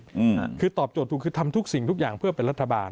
อืมคือตอบโจทย์ถูกคือทำทุกสิ่งทุกอย่างเพื่อเป็นรัฐบาล